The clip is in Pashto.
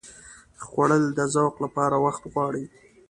خوړل د ذوق لپاره وخت غواړي